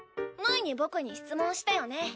前に僕に質問したよね。